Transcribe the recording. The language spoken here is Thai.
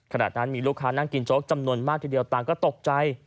ขณะนั้นมีลูกค้านั่งกินโจ๊กจำนวนมากทีเดียวต่างก็ตกใจ